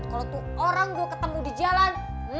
kalau tuh orang gue ketemu di jalan